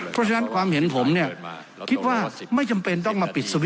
เพราะว่าผู้นั้นอยู่ในบัญชีใหล่